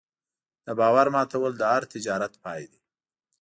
د باور ماتول د هر تجارت پای دی.